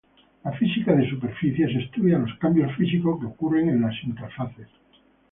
La física de superficies estudia los cambios físicos que ocurren en las interfaces.